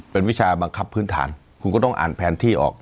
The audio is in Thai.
เป็นวิชาบังคับพื้นฐานคุณก็ต้องอ่านแผนที่ออก